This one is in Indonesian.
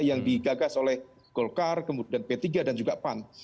yang digagas oleh golkar kemudian p tiga dan juga pan